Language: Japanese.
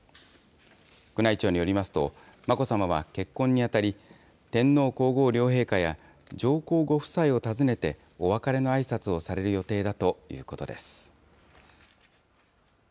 宮内庁によりますと、眞子さまは結婚にあたり、天皇皇后両陛下や上皇ご夫妻を訪ねて、お別れのあいさつをされる予定だということです。